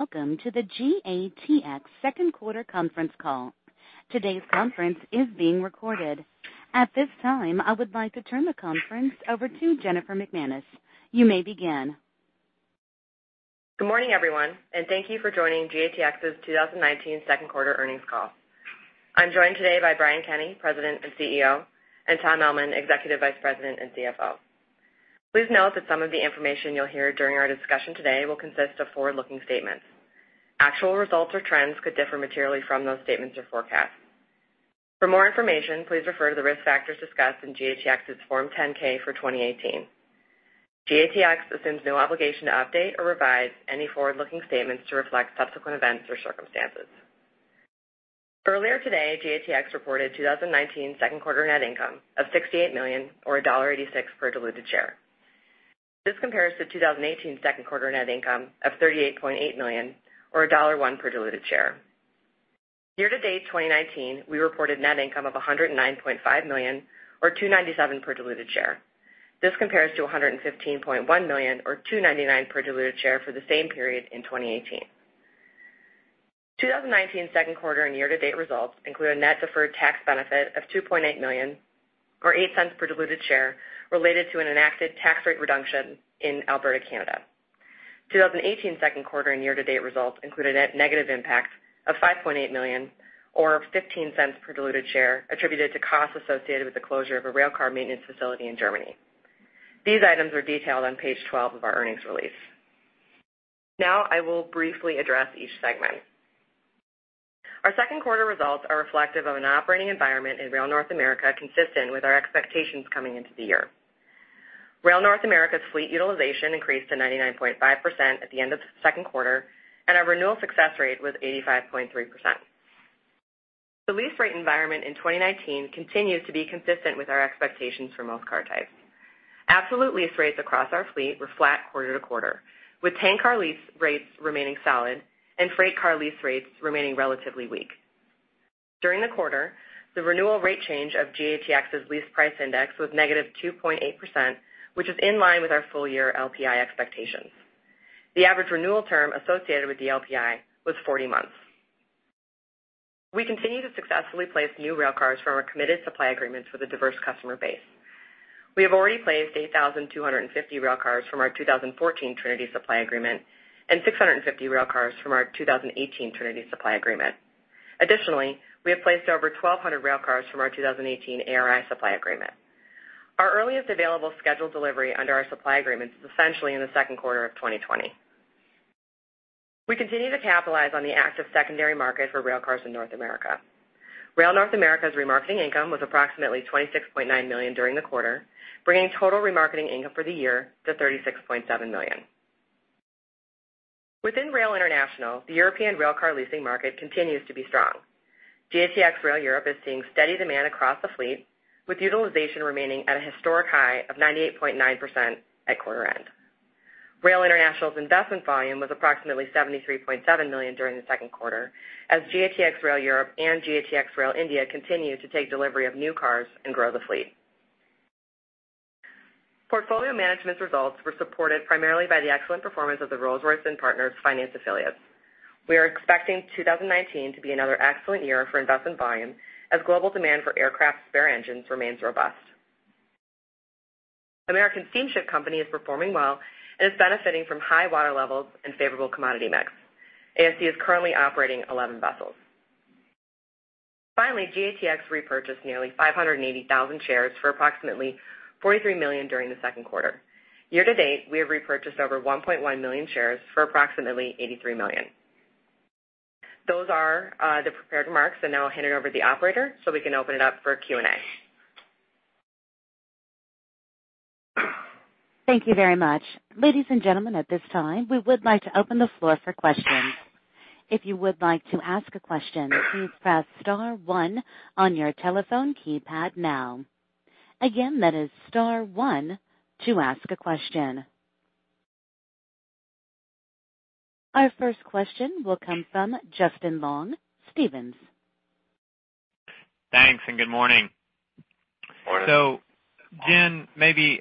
Welcome to the GATX second quarter conference call. Today's conference is being recorded. At this time, I would like to turn the conference over to Jennifer McManus. You may begin. Good morning, everyone, thank you for joining GATX 2019 second quarter earnings call. I'm joined today by Brian Kenney, President and CEO, and Tom Ellman, Executive Vice President and CFO. Please note that some of the information you'll hear during our discussion today will consist of forward-looking statements. Actual results or trends could differ materially from those statements or forecasts. For more information, please refer to the risk factors discussed in GATX's Form 10-K for 2018. GATX assumes no obligation to update or revise any forward-looking statements to reflect subsequent events or circumstances. Earlier today, GATX reported 2019 second quarter net income of $68 million, or $1.86 per diluted share. This compares to 2018 second quarter net income of $38.8 million, or $1.01 per diluted share. Year to date 2019, we reported net income of $109.5 million, or $2.97 per diluted share. This compares to $115.1 million, or $2.99 per diluted share for the same period in 2018. 2019 second quarter and year to date results include a net deferred tax benefit of $2.8 million, or $0.08 per diluted share, related to an enacted tax rate reduction in Alberta, Canada. 2018 second quarter and year to date results included a negative impact of $5.8 million, or $0.15 per diluted share, attributed to costs associated with the closure of a railcar maintenance facility in Germany. These items are detailed on page 12 of our earnings release. I will briefly address each segment. Our second quarter results are reflective of an operating environment in Rail North America consistent with our expectations coming into the year. Rail North America's fleet utilization increased to 99.5% at the end of the second quarter, and our renewal success rate was 85.3%. The lease rate environment in 2019 continues to be consistent with our expectations for most car types. Absolute lease rates across our fleet were flat quarter to quarter, with tank car lease rates remaining solid and freight car lease rates remaining relatively weak. During the quarter, the renewal rate change of GATX's Lease Price Index was -2.8%, which is in line with our full year LPI expectations. The average renewal term associated with the LPI was 40 months. We continue to successfully place new railcars from our committed supply agreements with a diverse customer base. We have already placed 8,250 railcars from our 2014 Trinity supply agreement and 650 railcars from our 2018 Trinity supply agreement. We have placed over 1,200 railcars from our 2018 ARI supply agreement. Our earliest available scheduled delivery under our supply agreements is essentially in the second quarter of 2020. We continue to capitalize on the active secondary market for railcars in North America. Rail North America's remarketing income was approximately $26.9 million during the quarter, bringing total remarketing income for the year to $36.7 million. Within Rail International, the European railcar leasing market continues to be strong. GATX Rail Europe is seeing steady demand across the fleet, with utilization remaining at a historic high of 98.9% at quarter end. Rail International's investment volume was approximately $73.7 million during the second quarter as GATX Rail Europe and GATX Rail India continue to take delivery of new cars and grow the fleet. Portfolio Management's results were supported primarily by the excellent performance of the Rolls-Royce & Partners Finance affiliates. We are expecting 2019 to be another excellent year for investment volume, as global demand for aircraft spare engines remains robust. American Steamship Company is performing well and is benefiting from high water levels and favorable commodity mix. ASC is currently operating 11 vessels. Finally, GATX repurchased nearly 580,000 shares for approximately $43 million during the second quarter. Year to date, we have repurchased over 1.1 million shares for approximately $83 million. Those are the prepared remarks. Now I'll hand it over to the operator so we can open it up for Q&A. Thank you very much. Ladies and gentlemen, at this time, we would like to open the floor for questions. If you would like to ask a question, please press *1 on your telephone keypad now. Again, that is *1 to ask a question. Our first question will come from Justin Long, Stephens. Thanks. Good morning. Morning. Jen, maybe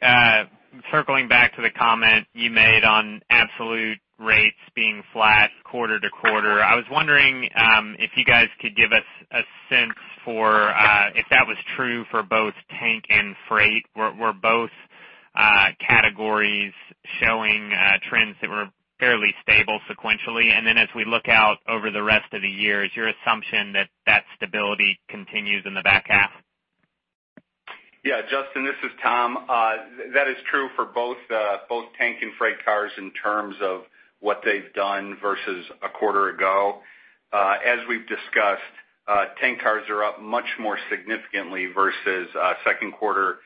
circling back to the comment you made on absolute rates being flat quarter-to-quarter, I was wondering if you guys could give us a sense for if that was true for both tank and freight, were both categories showing trends that were fairly stable sequentially? As we look out over the rest of the year, is your assumption that that stability continues in the back half? Yeah, Justin, this is Tom. That is true for both tank and freight cars in terms of what they've done versus a quarter ago. As we've discussed, tank cars are up much more significantly versus second quarter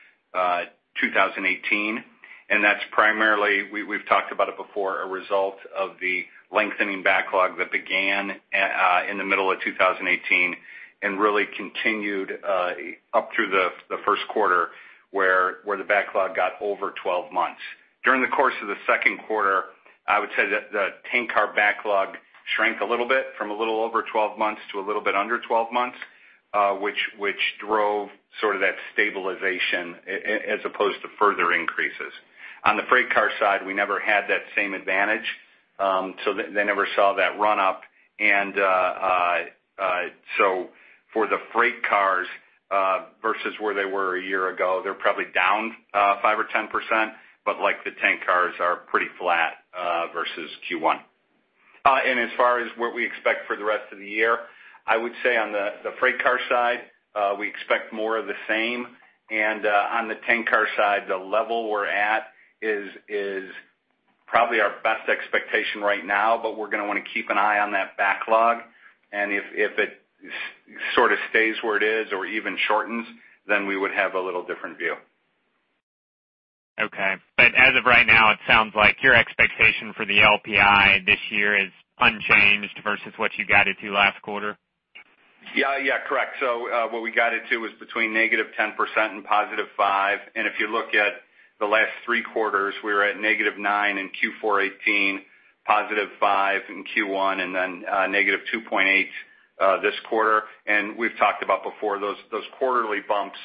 2018, and that's primarily, we've talked about it before, a result of the lengthening backlog that began in the middle of 2018 and really continued up through the first quarter, where the backlog got over 12 months. During the course of the second quarter, I would say the tank car backlog shrank a little bit from a little over 12 months to a little bit under 12 months, which drove sort of that stabilization as opposed to further increases. On the freight car side, we never had that same advantage. They never saw that run up. For the freight cars versus where they were a year ago, they're probably down five or 10%, but like the tank cars are pretty flat versus Q1. As far as what we expect for the rest of the year, I would say on the freight car side, we expect more of the same. On the tank car side, the level we're at is probably our best expectation right now, but we're going to want to keep an eye on that backlog, and if it sort of stays where it is or even shortens, then we would have a little different view. Okay. As of right now, it sounds like your expectation for the LPI this year is unchanged versus what you guided to last quarter. Correct. What we guided to was between negative 10% and positive 5%, and if you look at the last three quarters, we were at negative 9% in Q4 2018, positive 5% in Q1, and negative 2.8% this quarter. We've talked about before, those quarterly bumps,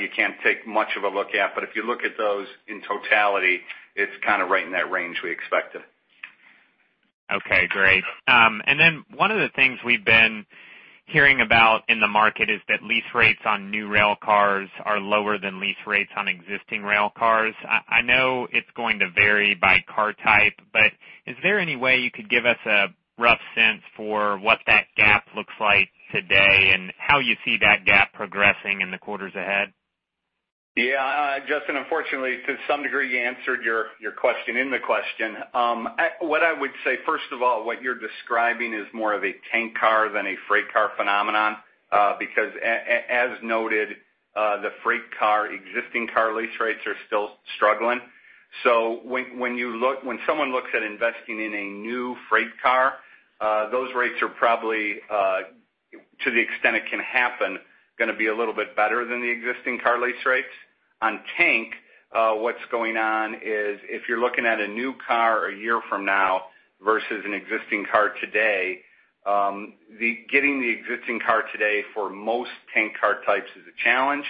you can't take much of a look at, but if you look at those in totality, it's kind of right in that range we expected. Okay, great. One of the things we've been hearing about in the market is that lease rates on new rail cars are lower than lease rates on existing rail cars. I know it's going to vary by car type, but is there any way you could give us a rough sense for what that gap looks like today and how you see that gap progressing in the quarters ahead? Justin, unfortunately, to some degree, you answered your question in the question. What I would say, first of all, what you're describing is more of a tank car than a freight car phenomenon, because, as noted, the freight car, existing car lease rates are still struggling. When someone looks at investing in a new freight car, those rates are probably, to the extent it can happen, going to be a little bit better than the existing car lease rates. On tank, what's going on is if you're looking at a new car a year from now versus an existing car today, getting the existing car today for most tank car types is a challenge.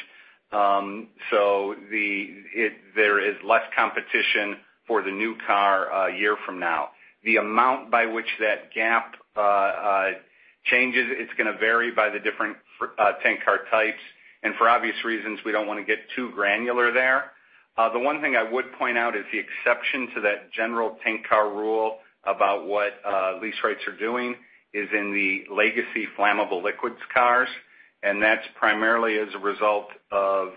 There is less competition for the new car a year from now. The amount by which that gap changes, it's going to vary by the different tank car types, and for obvious reasons, we don't want to get too granular there. The one thing I would point out is the exception to that general tank car rule about what lease rates are doing is in the legacy flammable liquids cars, and that's primarily as a result of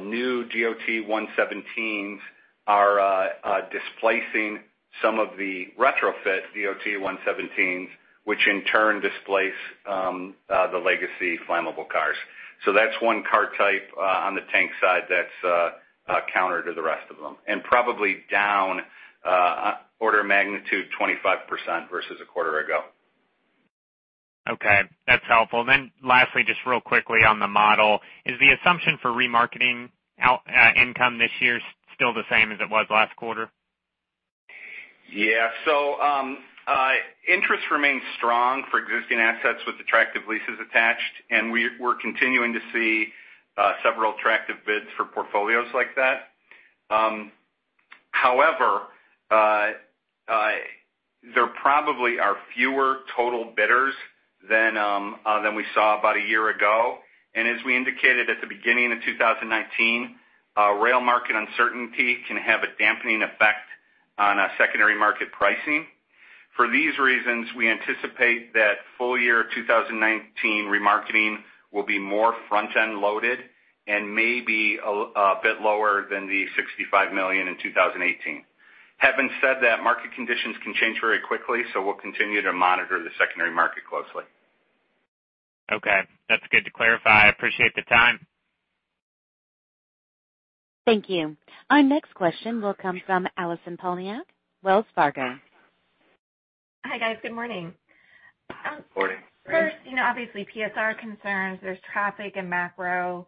new DOT-117s are displacing some of the retrofit DOT-117s, which in turn displace the legacy flammable cars. That's one car type on the tank side that's counter to the rest of them, and probably down order of magnitude 25% versus a quarter ago. Okay, that's helpful. Lastly, just real quickly on the model, is the assumption for remarketing income this year still the same as it was last quarter? Yeah. Interest remains strong for existing assets with attractive leases attached, and we're continuing to see several attractive bids for portfolios like that. However, there probably are fewer total bidders than we saw about a year ago, and as we indicated at the beginning of 2019, rail market uncertainty can have a dampening effect on secondary market pricing. For these reasons, we anticipate that full year 2019 remarketing will be more front-end loaded and maybe a bit lower than the $65 million in 2018. Having said that, market conditions can change very quickly, so we'll continue to monitor the secondary market closely. Okay. That's good to clarify. I appreciate the time. Thank you. Our next question will come from Allison Poliniak, Wells Fargo. Hi, guys. Good morning. Morning. Obviously PSR concerns, there's traffic and macro,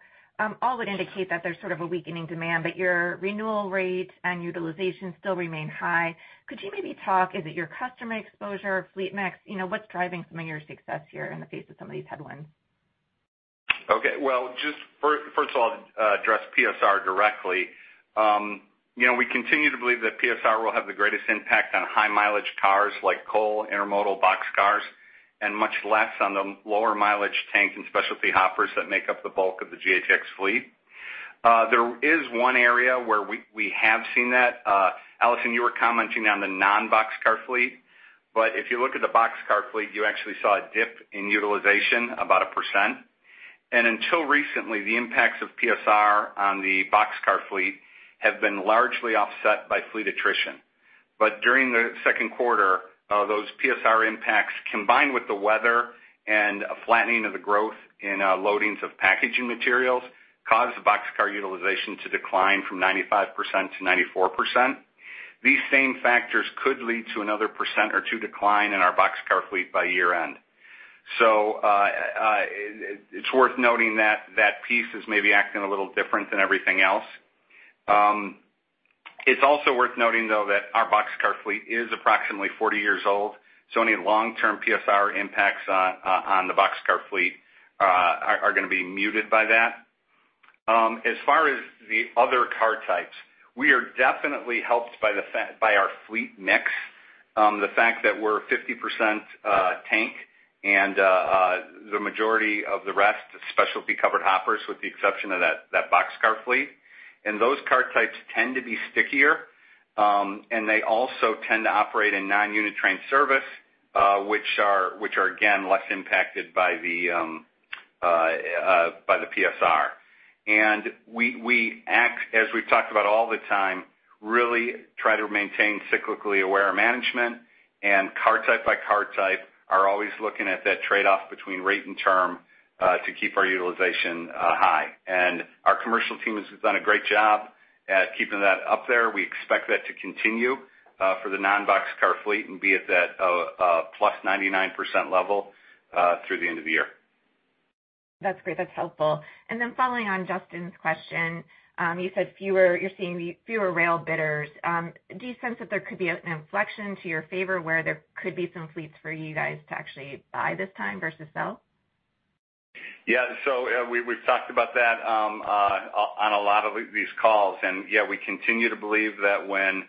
all would indicate that there's sort of a weakening demand, but your renewal rate and utilization still remain high. Could you maybe talk, is it your customer exposure or fleet mix? What's driving some of your success here in the face of some of these headwinds? Well, just first of all, address PSR directly. We continue to believe that PSR will have the greatest impact on high mileage cars like coal, intermodal boxcars, and much less on the lower mileage tank and specialty hoppers that make up the bulk of the GATX fleet. There is one area where we have seen that. Allison, you were commenting on the non-boxcar fleet, but if you look at the boxcar fleet, you actually saw a dip in utilization about 1%. Until recently, the impacts of PSR on the boxcar fleet have been largely offset by fleet attrition. During the second quarter, those PSR impacts, combined with the weather and a flattening of the growth in loadings of packaging materials, caused the boxcar utilization to decline from 95%-94%. These same factors could lead to another 1% or 2% decline in our boxcar fleet by year-end. It's worth noting that piece is maybe acting a little different than everything else. It's also worth noting, though, that our boxcar fleet is approximately 40 years old, so any long-term PSR impacts on the boxcar fleet are going to be muted by that. As far as the other car types, we are definitely helped by our fleet mix. The fact that we're 50% tank and the majority of the rest is specialty covered hoppers, with the exception of that boxcar fleet. Those car types tend to be stickier, and they also tend to operate in non-unit train service, which are, again, less impacted by the PSR. We act, as we've talked about all the time, really try to maintain cyclically aware management and car type by car type are always looking at that trade-off between rate and term to keep our utilization high. Our commercial team has done a great job at keeping that up there. We expect that to continue for the non-boxcar fleet and be at that +99% level through the end of the year. That's great. That's helpful. Following on Justin's question, you said you're seeing fewer rail bidders. Do you sense that there could be an inflection to your favor where there could be some fleets for you guys to actually buy this time versus sell? Yeah. We've talked about that on a lot of these calls and yeah, we continue to believe that when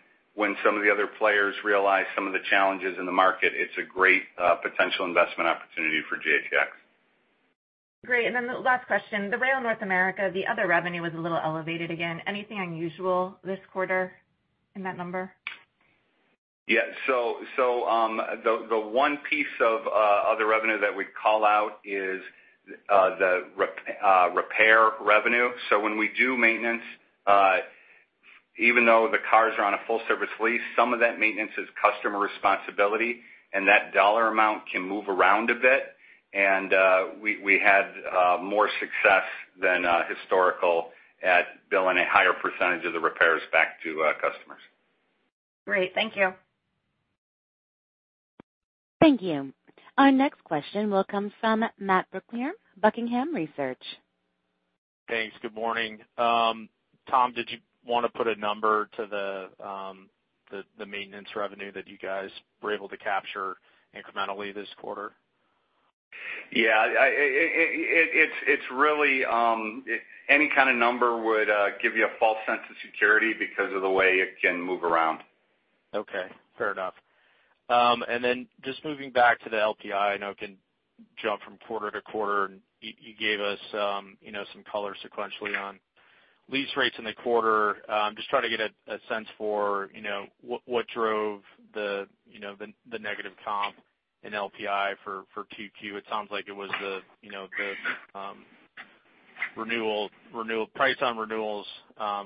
some of the other players realize some of the challenges in the market, it's a great potential investment opportunity for GATX. Great. The last question, the Rail North America, the other revenue was a little elevated again, anything unusual this quarter in that number? Yeah. The one piece of other revenue that we'd call out is the repair revenue. When we do maintenance, even though the cars are on a full service lease, some of that maintenance is customer responsibility and that dollar amount can move around a bit. We had more success than historical at billing a higher percentage of the repairs back to customers. Great. Thank you. Thank you. Our next question will come from Matt Brooklier, Buckingham Research. Thanks. Good morning. Tom, did you want to put a number to the maintenance revenue that you guys were able to capture incrementally this quarter? Yeah, any kind of number would give you a false sense of security because of the way it can move around. Okay, fair enough. Then just moving back to the LPI, I know it can jump from quarter to quarter, and you gave us some color sequentially on lease rates in the quarter. Just trying to get a sense for what drove the negative comp in LPI for 2Q. It sounds like it was the price on renewals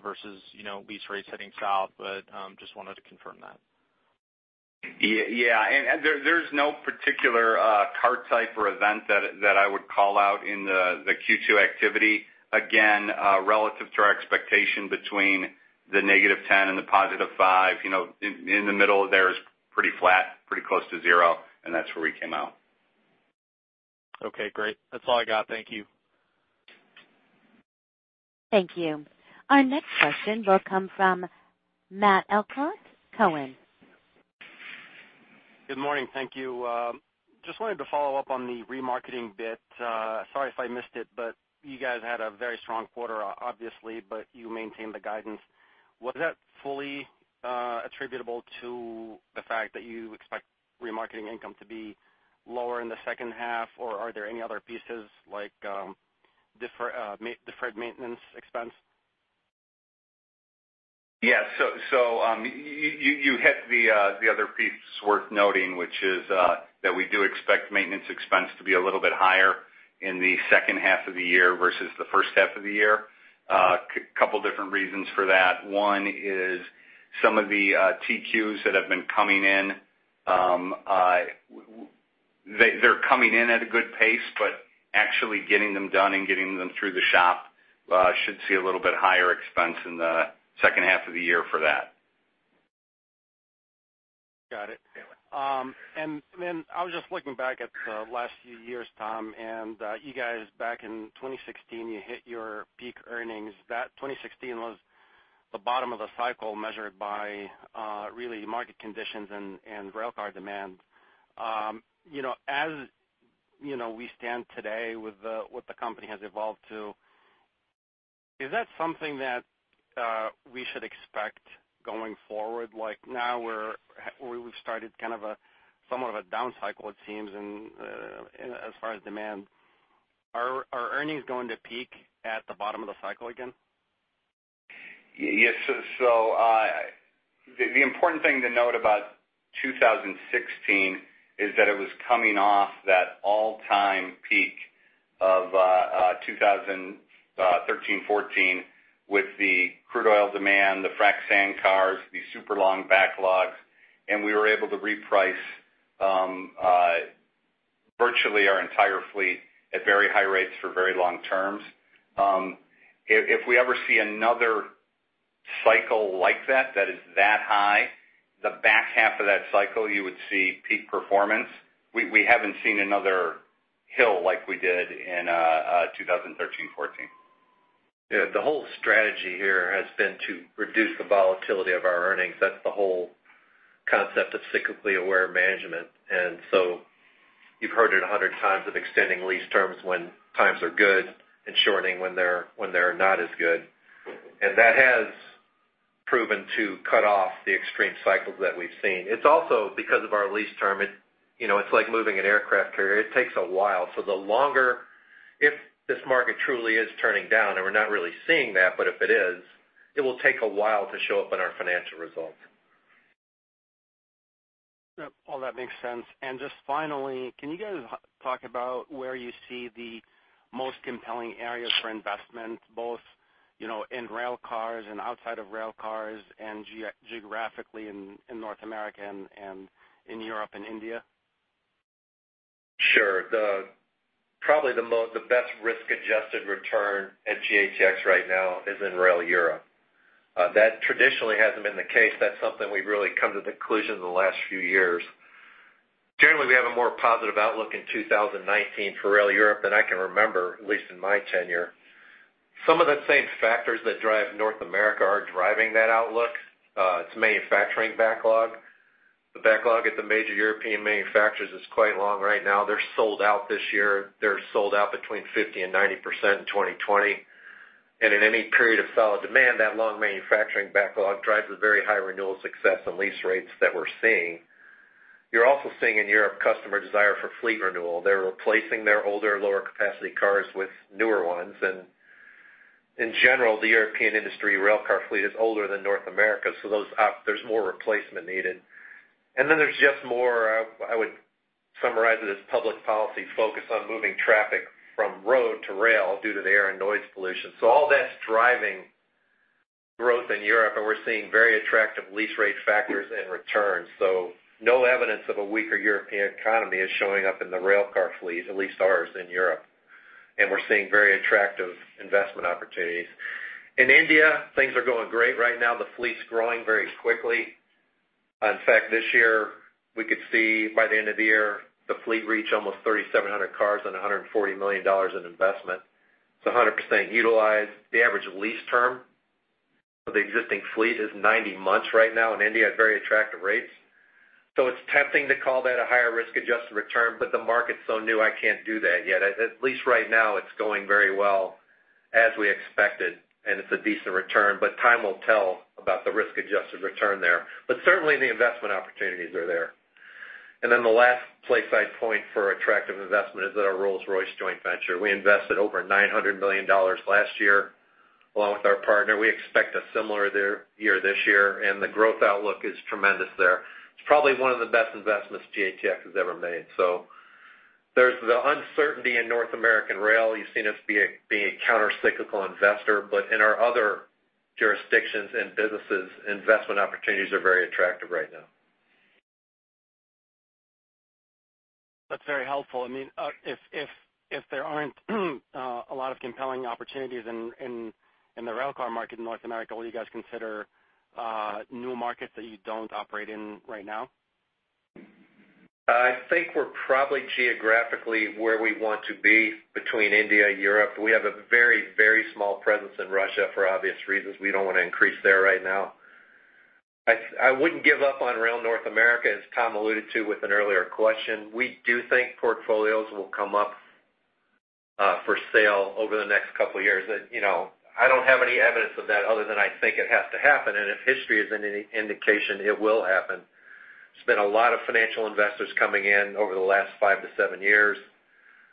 versus lease rates heading south, but just wanted to confirm that. Yeah. There's no particular car type or event that I would call out in the Q2 activity. Again, relative to our expectation between the negative 10 and the positive 5, in the middle there is pretty flat, pretty close to zero, and that's where we came out. Okay, great. That's all I got. Thank you. Thank you. Our next question will come from Matt Elkott, Cowen. Good morning. Thank you. Just wanted to follow up on the remarketing bit. Sorry if I missed it, but you guys had a very strong quarter, obviously, but you maintained the guidance. Was that fully attributable to the fact that you expect remarketing income to be lower in the second half, or are there any other pieces like deferred maintenance expense? Yeah. You hit the other piece worth noting, which is that we do expect maintenance expense to be a little bit higher in the second half of the year versus the first half of the year. Couple different reasons for that. One is some of the TQs that have been coming in, they're coming in at a good pace, but actually getting them done and getting them through the shop should see a little bit higher expense in the second half of the year for that. Got it. I was just looking back at the last few years, Tom, and you guys, back in 2016, you hit your peak earnings. That 2016 was the bottom of the cycle measured by really market conditions and railcar demand. As we stand today with what the company has evolved to, is that something that we should expect going forward? Like now we've started kind of somewhat of a down cycle it seems as far as demand. Are earnings going to peak at the bottom of the cycle again? Yes. The important thing to note about 2016 is that it was coming off that all-time peak of 2013, 2014 with the crude oil demand, the frack sand cars, the super long backlogs, and we were able to reprice virtually our entire fleet at very high rates for very long terms. If we ever see another cycle like that is that high, the back-half of that cycle, you would see peak performance. We haven't seen another hill like we did in 2013, 2014. Yeah. The whole strategy here has been to reduce the volatility of our earnings. That's the whole concept of cyclically aware management. You've heard it 100 times of extending lease terms when times are good and shortening when they're not as good. That has proven to cut off the extreme cycles that we've seen. It's also because of our lease term, it's like moving an aircraft carrier. It takes a while. The longer, if this market truly is turning down, and we're not really seeing that, but if it is, it will take a while to show up in our financial results. Yep. All that makes sense. Just finally, can you guys talk about where you see the most compelling areas for investment, both in railcars and outside of railcars and geographically in North America and in Europe and India? Sure. Probably the best risk-adjusted return at GATX right now is in Rail Europe. That traditionally hasn't been the case. That's something we've really come to the conclusion in the last few years. Generally, we have a more positive outlook in 2019 for Rail Europe than I can remember, at least in my tenure. Some of the same factors that drive North America are driving that outlook. It's manufacturing backlog. The backlog at the major European manufacturers is quite long right now. They're sold out this year. They're sold out between 50%-90% in 2020. In any period of solid demand, that long manufacturing backlog drives the very high renewal success and lease rates that we're seeing. You're also seeing in Europe customer desire for fleet renewal. They're replacing their older, lower capacity cars with newer ones. In general, the European industry rail car fleet is older than North America, so there's more replacement needed. There's just more, I would summarize it as public policy focus on moving traffic from road to rail due to the air and noise pollution. All that's driving growth in Europe, and we're seeing very attractive lease rate factors and returns. No evidence of a weaker European economy is showing up in the rail car fleet, at least ours in Europe. We're seeing very attractive investment opportunities. In India, things are going great right now. The fleet's growing very quickly. In fact, this year, we could see by the end of the year, the fleet reach almost 3,700 cars on $140 million in investment. It's 100% utilized. The average lease term of the existing fleet is 90 months right now in India at very attractive rates. It's tempting to call that a higher risk-adjusted return, but the market's so new, I can't do that yet. At least right now, it's going very well as we expected, and it's a decent return, but time will tell about the risk-adjusted return there. Certainly, the investment opportunities are there. The last place I'd point for attractive investment is at our Rolls-Royce joint venture. We invested over $900 million last year along with our partner. We expect a similar year this year, and the growth outlook is tremendous there. It's probably one of the best investments GATX has ever made. There's the uncertainty in North American Rail. You've seen us be a counter-cyclical investor, but in our other jurisdictions and businesses, investment opportunities are very attractive right now. That's very helpful. If there aren't a lot of compelling opportunities in the rail car market in North America, will you guys consider new markets that you don't operate in right now? I think we're probably geographically where we want to be between India and Europe. We have a very small presence in Russia for obvious reasons. We don't want to increase there right now. I wouldn't give up on Rail North America, as Tom alluded to with an earlier question. We do think portfolios will come up for sale over the next couple of years. I don't have any evidence of that other than I think it has to happen, and if history is any indication, it will happen. Spent a lot of financial investors coming in over the last five to seven years.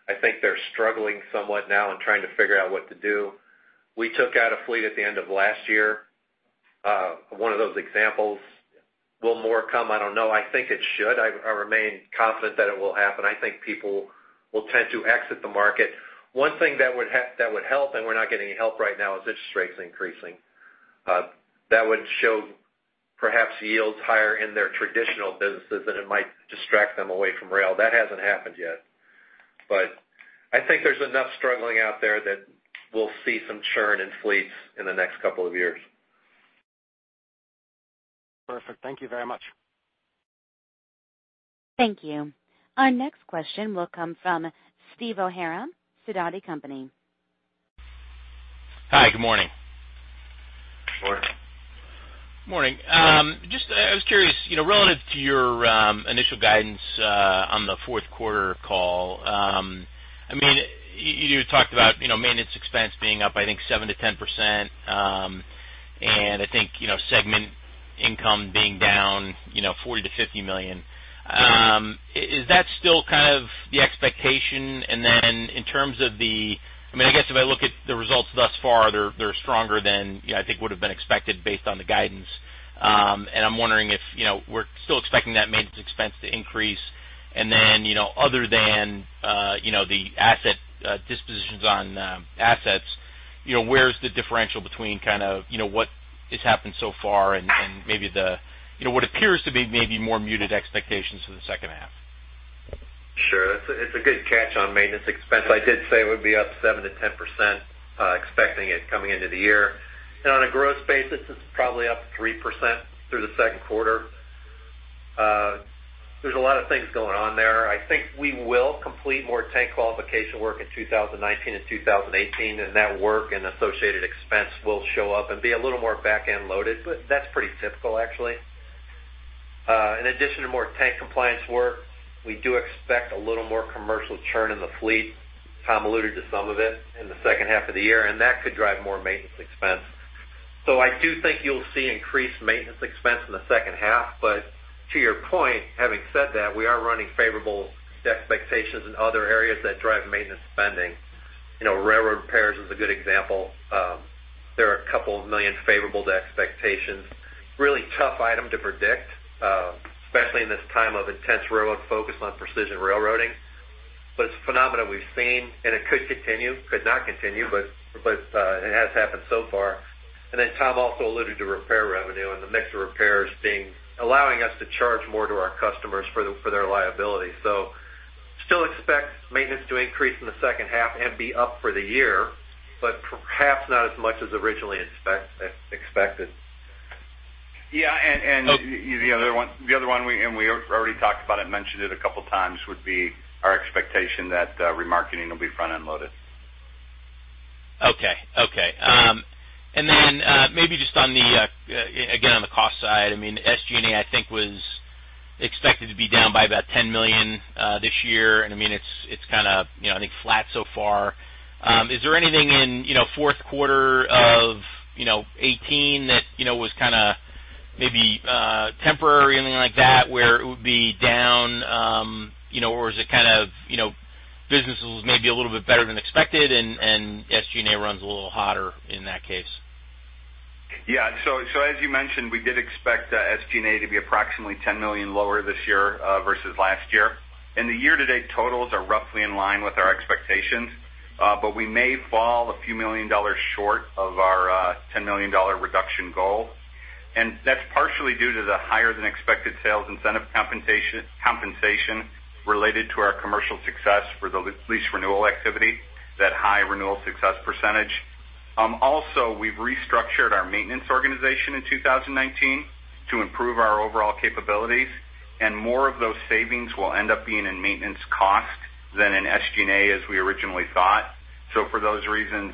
I think they're struggling somewhat now and trying to figure out what to do. We took out a fleet at the end of last year. One of those examples. Will more come? I don't know. I think it should. I remain confident that it will happen. I think people will tend to exit the market. One thing that would help, and we're not getting any help right now, is interest rates increasing. That would show perhaps yields higher in their traditional businesses, and it might distract them away from rail. That hasn't happened yet. I think there's enough struggling out there that we'll see some churn in fleets in the next couple of years. Perfect. Thank you very much. Thank you. Our next question will come from Steve O'Hara, Sidoti & Company. Hi, good morning. Morning. Morning. I was curious, relative to your initial guidance on the fourth quarter call, you talked about maintenance expense being up, I think 7%-10%, and I think segment income being down $40 million-$50 million. Is that still kind of the expectation? I guess if I look at the results thus far, they're stronger than I think would've been expected based on the guidance. I'm wondering if we're still expecting that maintenance expense to increase. Other than the asset dispositions on assets, where's the differential between what has happened so far and maybe what appears to be maybe more muted expectations for the second half? Sure. It's a good catch on maintenance expense. I did say it would be up 7%-10%, expecting it coming into the year. On a gross basis, it's probably up 3% through the second quarter. There's a lot of things going on there. I think we will complete more tank qualification work in 2019 and 2018, and that work and associated expense will show up and be a little more back-end loaded, but that's pretty typical actually. In addition to more tank compliance work, we do expect a little more commercial churn in the fleet, Tom Ellman alluded to some of it, in the second half of the year, and that could drive more maintenance expense. I do think you'll see increased maintenance expense in the second half, but to your point, having said that, we are running favorable to expectations in other areas that drive maintenance spending. Railroad repairs is a good example. They're a couple of million favorable to expectations. Really tough item to predict, especially in this time of intense railroad focus on precision railroading, but it's a phenomenon we've seen, and it could continue. Could not continue, but it has happened so far. Tom Ellman also alluded to repair revenue and the mix of repairs allowing us to charge more to our customers for their liability. Still expect maintenance to increase in the second half and be up for the year, but perhaps not as much as originally expected. The other one, and we already talked about it and mentioned it a couple times, would be our expectation that remarketing will be front-end loaded. Okay. Then, maybe just again, on the cost side, SG&A, I think was expected to be down by about $10 million this year, and it's kind of I think flat so far. Is there anything in fourth quarter of 2018 that was maybe temporary or anything like that where it would be down, or is it kind of business was maybe a little bit better than expected and SG&A runs a little hotter in that case? Yeah. As you mentioned, we did expect SG&A to be approximately $10 million lower this year versus last year. The year-to-date totals are roughly in line with our expectations, but we may fall a few million dollars short of our $10 million reduction goal. That's partially due to the higher than expected sales incentive compensation related to our commercial success for the lease renewal activity, that high renewal success %. Also, we've restructured our maintenance organization in 2019 to improve our overall capabilities, and more of those savings will end up being in maintenance cost than in SG&A as we originally thought. For those reasons,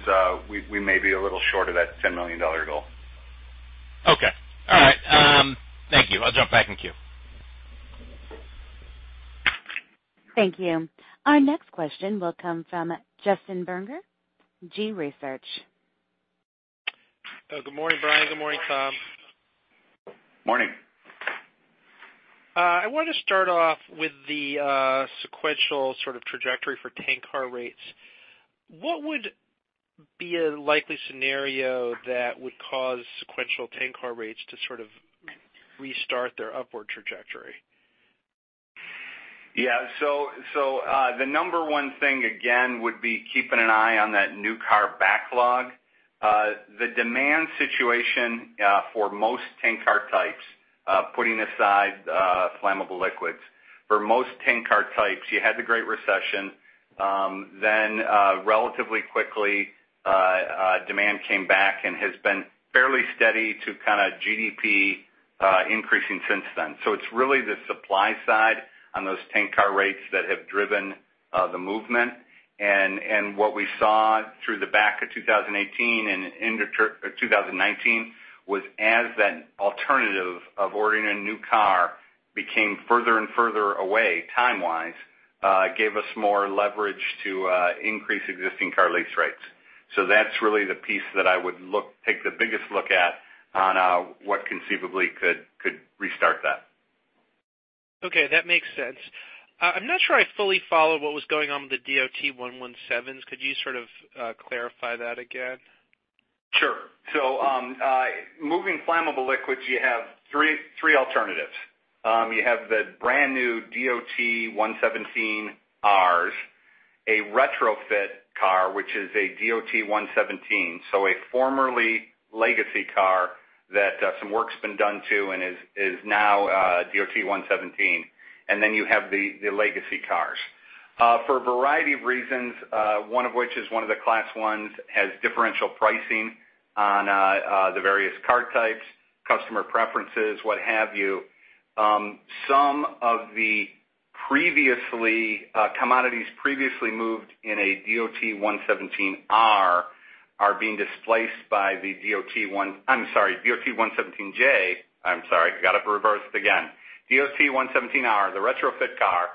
we may be a little short of that $10 million goal. Okay. All right. Thank you. I'll jump back in queue. Thank you. Our next question will come from Justin Bergner, G-Research. Good morning, Brian. Good morning, Tom. Morning. I wanted to start off with the sequential sort of trajectory for tank car rates. What would be a likely scenario that would cause sequential tank car rates to sort of restart their upward trajectory? Yeah. The number 1 thing, again, would be keeping an eye on that new car backlog. The demand situation for most tank car types, putting aside flammable liquids, for most tank car types, you had the Great Recession. Relatively quickly, demand came back and has been fairly steady to kind of GDP increasing since then. It's really the supply side on those tank car rates that have driven the movement. What we saw through the back of 2018 and into 2019 was as that alternative of ordering a new car became further and further away time-wise, gave us more leverage to increase existing car lease rates. That's really the piece that I would take the biggest look at on what conceivably could restart that. Okay. That makes sense. I'm not sure I fully follow what was going on with the DOT-117s. Could you sort of clarify that again? Sure. Moving flammable liquids, you have three alternatives. You have the brand new DOT-117Rs, a retrofit car, which is a DOT-117, a formerly legacy car that some work's been done to and is now a DOT-117. You have the legacy cars. For a variety of reasons, one of which is one of the Class I's has differential pricing on the various car types, customer preferences, what have you. Some of the commodities previously moved in a DOT-117R are being displaced by the DOT-117J. I'm sorry. Got it reversed again. DOT-117R, the retrofit car,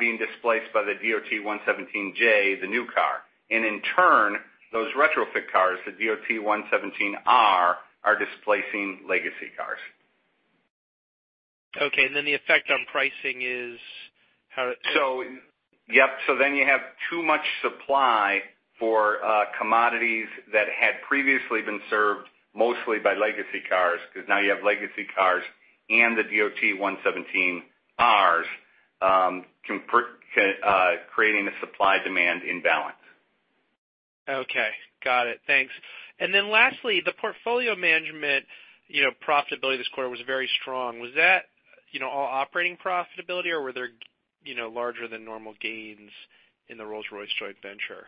being displaced by the DOT-117J, the new car. In turn, those retrofit cars, the DOT-117R, are displacing legacy cars. Okay. The effect on pricing is how- You have too much supply for commodities that had previously been served mostly by legacy cars, because now you have legacy cars and the DOT-117Rs creating a supply-demand imbalance. Okay. Got it. Thanks. Lastly, the Portfolio Management profitability this quarter was very strong. Was that all operating profitability or were there larger than normal gains in the Rolls-Royce joint venture?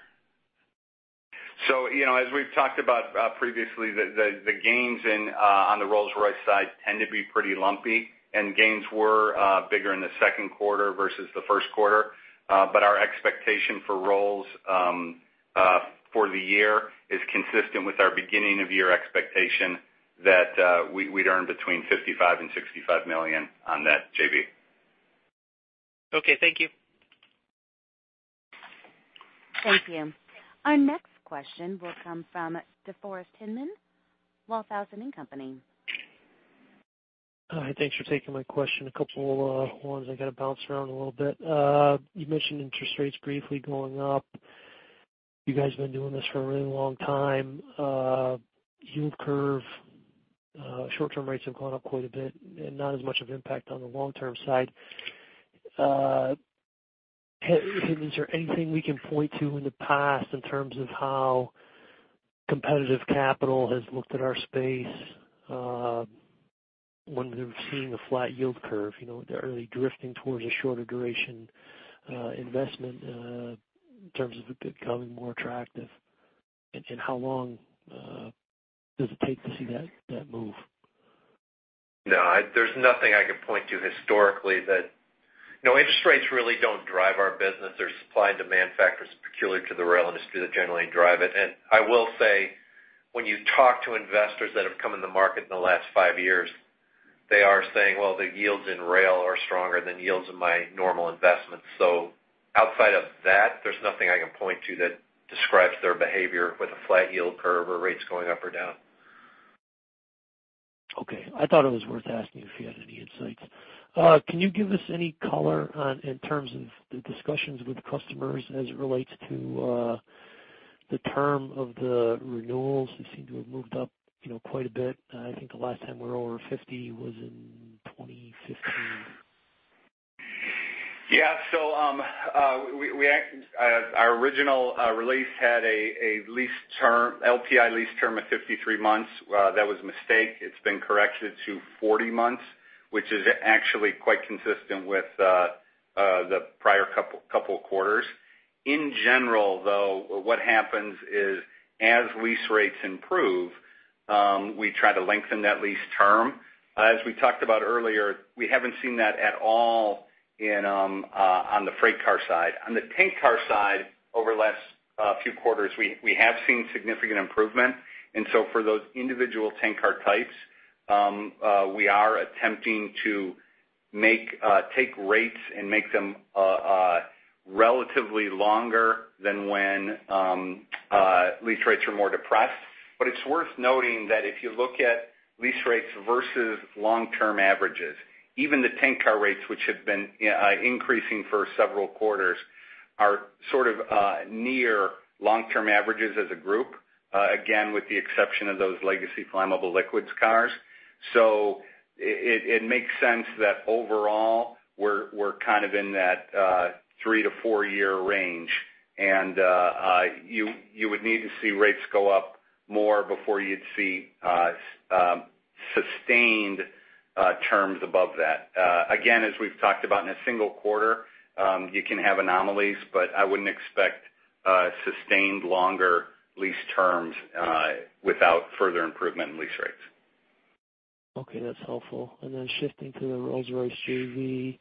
As we've talked about previously, the gains on the Rolls-Royce side tend to be pretty lumpy, and gains were bigger in the second quarter versus the first quarter. Our expectation for Rolls for the year is consistent with our beginning of year expectation that we'd earn between $55 million and $65 million on that JV. Okay. Thank you. Thank you. Our next question will come from DeForest Hinman, Walthausen & Co. Hi. Thanks for taking my question. A couple of ones I got to bounce around a little bit. You mentioned interest rates briefly going up. You guys have been doing this for a really long time. Yield curve, short-term rates have gone up quite a bit and not as much of impact on the long-term side. Is there anything we can point to in the past in terms of how competitive capital has looked at our space when we're seeing a flat yield curve? Are they drifting towards a shorter duration investment in terms of it becoming more attractive, and how long does it take to see that move? No, there's nothing I can point to historically. Interest rates really don't drive our business. There's supply and demand factors peculiar to the rail industry that generally drive it. I will say, when you talk to investors that have come in the market in the last five years, they are saying, "Well, the yields in rail are stronger than yields in my normal investment." Outside of that, there's nothing I can point to that describes their behavior with a flat yield curve or rates going up or down. Okay. I thought it was worth asking if you had any insights. Can you give us any color in terms of the discussions with customers as it relates to the term of the renewals? They seem to have moved up quite a bit. I think the last time we were over 50 was in 2015. Yeah. Our original release had an LPI lease term of 53 months. That was a mistake. It's been corrected to 40 months, which is actually quite consistent with the prior couple of quarters. In general, though, what happens is, as lease rates improve, we try to lengthen that lease term. As we talked about earlier, we haven't seen that at all on the freight car side. On the tank car side, over the last few quarters, we have seen significant improvement. For those individual tank car types, we are attempting to take rates and make them relatively longer than when lease rates are more depressed. It's worth noting that if you look at lease rates versus long-term averages, even the tank car rates, which have been increasing for several quarters, are sort of near long-term averages as a group, again, with the exception of those legacy flammable liquids cars. It makes sense that overall, we're kind of in that 3-4-year range. You would need to see rates go up more before you'd see sustained terms above that. Again, as we've talked about in a single quarter, you can have anomalies, but I wouldn't expect sustained longer lease terms without further improvement in lease rates. Okay. That's helpful. Shifting to the Rolls-Royce JV.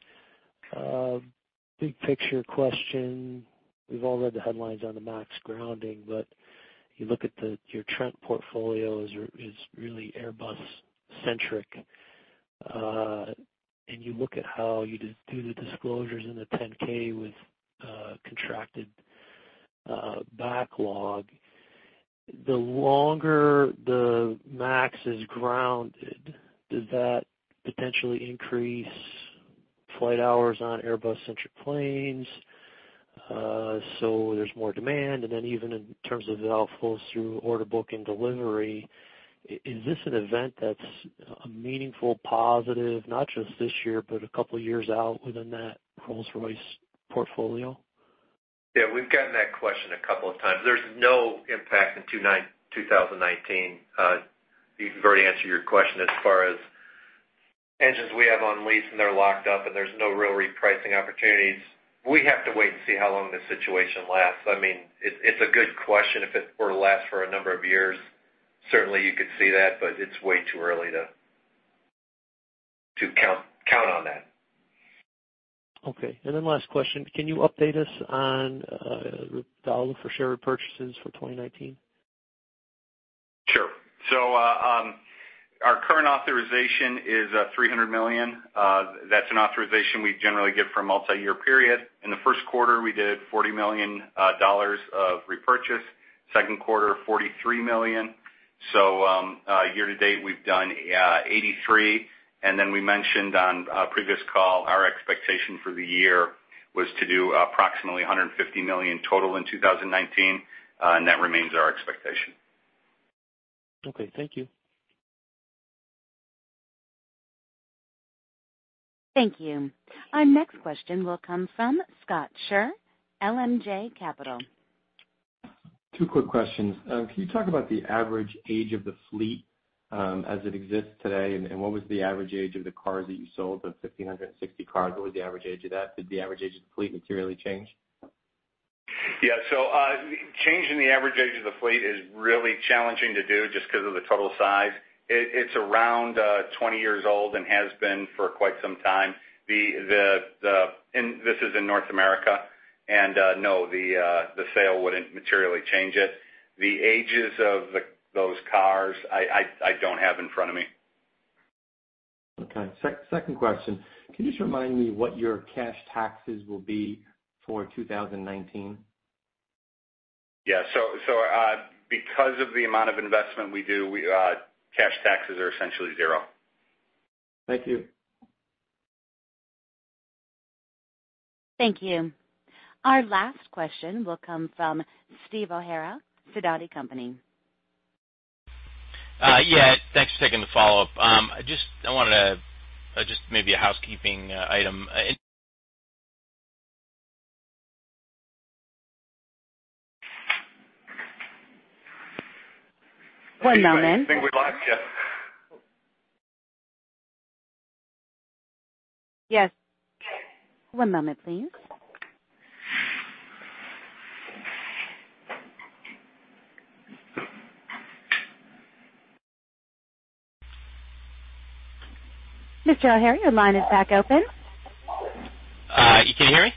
Big picture question. We've all read the headlines on the MAX grounding, you look at your Trent portfolio is really Airbus centric. You look at how you do the disclosures in the 10-K with contracted backlog. The longer the MAX is grounded, does that potentially increase flight hours on Airbus-centric planes? There's more demand, and then even in terms of how it flows through order book and delivery, is this an event that's a meaningful positive, not just this year, but a couple of years out within that Rolls-Royce portfolio? Yeah, we've gotten that question a couple of times. There's no impact in 2019. To already answer your question, as far as engines we have on lease, and they're locked up, and there's no real repricing opportunities. We have to wait and see how long this situation lasts. It's a good question. If it were to last for a number of years, certainly you could see that, but it's way too early to count on that. Okay. Last question, can you update us on the outlook for share repurchases for 2019? Sure. Our current authorization is $300 million. That's an authorization we generally give for a multi-year period. In the first quarter, we did $40 million of repurchase. Second quarter, $43 million. Year to date, we've done $83 million. We mentioned on a previous call, our expectation for the year was to do approximately $150 million total in 2019, and that remains our expectation. Okay. Thank you. Thank you. Our next question will come from Scott Scher, LMJ Capital. Two quick questions. Can you talk about the average age of the fleet as it exists today, and what was the average age of the cars that you sold, the 1,560 cars? What was the average age of that? Did the average age of the fleet materially change? Yeah. Changing the average age of the fleet is really challenging to do just because of the total size. It's around 20 years old and has been for quite some time. This is in North America. No, the sale wouldn't materially change it. The ages of those cars, I don't have in front of me Okay. Second question, can you just remind me what your cash taxes will be for 2019? Yeah. Because of the amount of investment we do, cash taxes are essentially zero. Thank you. Thank you. Our last question will come from Steve O'Hara, Sidoti & Company. Yeah. Thanks for taking the follow-up. Just maybe a housekeeping item. One moment. I think we lost, yeah. Yes. One moment, please. Mr. O'Hara, your line is back open. You can hear me?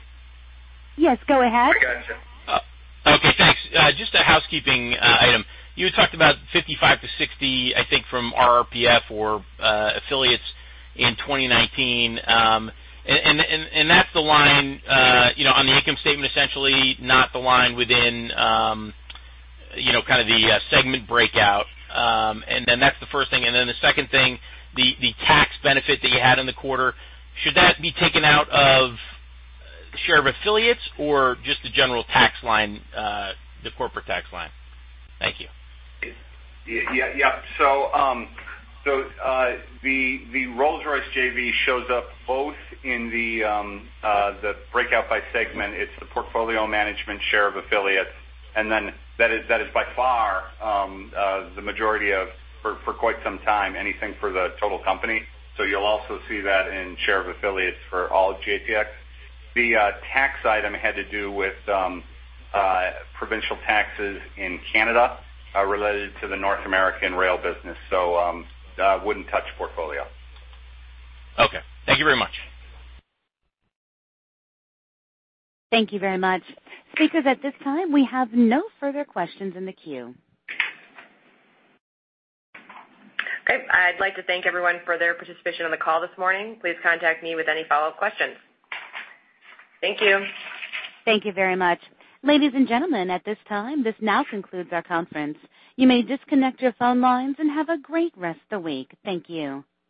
Yes, go ahead. I got you, sir. Okay, thanks. Just a housekeeping item. You talked about $55-$60, I think, from RRPF or affiliates in 2019. That's the line on the income statement, essentially, not the line within the segment breakout. That's the first thing. The second thing, the tax benefit that you had in the quarter, should that be taken out of share of affiliates or just the general tax line, the corporate tax line? Thank you. Yeah. The Rolls-Royce JV shows up both in the breakout by segment. It's the Portfolio Management share of affiliates. That is by far the majority of, for quite some time, anything for the total company. You'll also see that in share of affiliates for all of GATX. The tax item had to do with provincial taxes in Canada related to the North American rail business. That wouldn't touch Portfolio Management. Okay. Thank you very much. Thank you very much. Speakers, at this time, we have no further questions in the queue. Great. I'd like to thank everyone for their participation on the call this morning. Please contact me with any follow-up questions. Thank you. Thank you very much. Ladies and gentlemen, at this time, this now concludes our conference. You may disconnect your phone lines and have a great rest of the week. Thank you.